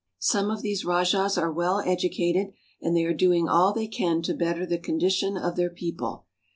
Some of these rajahs are well educated, and they are doing all they can to better the condition of their people.